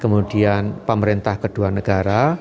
kemudian pemerintah kedua negara